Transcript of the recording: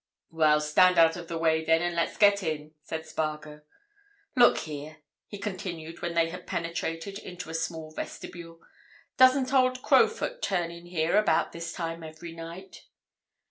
"Well, stand out of the way, then, and let's get in," said Spargo. "Look here," he continued when they had penetrated into a small vestibule, "doesn't old Crowfoot turn in here about this time every night?"